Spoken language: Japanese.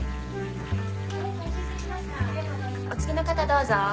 お次の方どうぞ。